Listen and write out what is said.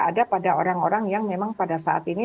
ada pada orang orang yang memang pada saat ini